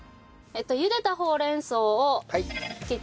茹でたほうれん草を切ってください。